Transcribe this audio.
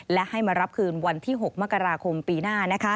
และให้มารับคืนวันที่๖มกราคมปีหน้า